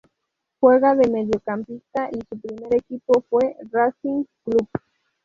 Juega de mediocampista y su primer equipo fue Racing Club.